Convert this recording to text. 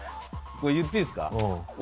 言っていいですか？